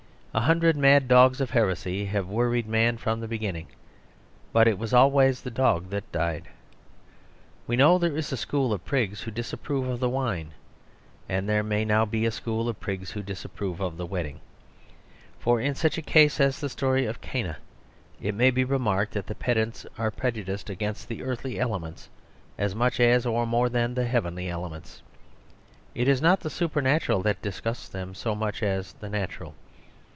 A hundred mad dogs of heresy have worried man from the begin ning; but it was always the dog that died. We know there is a school of prigs who disap prove of the wine; and there may now be a school of prigs who disapprove of the wed ding. For in such a case as the story of Cana, it may be remarked that the pedants are preju The Vista of Divorce 148 diced against the earthly elements as much as, or more than, the heavenly elements. It is not the supernatural that disgusts them, so much as the natural.